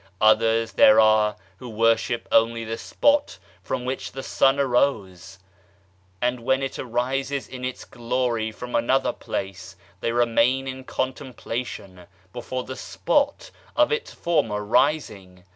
Others there are who worship only the spot from which the sun arose, and when it arises in its glory from another place they remain in contemplation before the spot of its former rising.